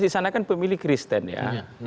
di sana kan pemilih kristen ya